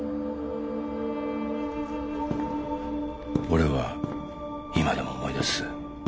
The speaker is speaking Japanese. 俺は今でも思い出す。